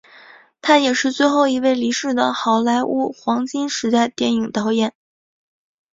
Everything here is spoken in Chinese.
他也是最后一位离世的好莱坞黄金时代电影导演。